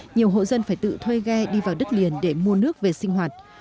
nhiều hộ dân phải tự thuê ghe đi vào đất liền để mua nước về sinh hoạt